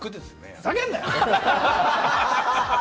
ふざけんなよ！